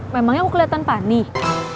memangnya aku kelihatan panih